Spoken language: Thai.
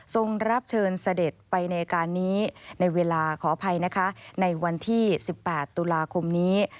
รับเชิญเสด็จไปในการนี้ในเวลาขออภัยนะคะในวันที่๑๘ตุลาคมนี้